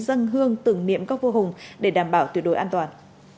dân hương tưởng niệm các vô hùng để đảm bảo tuyệt đối an toàn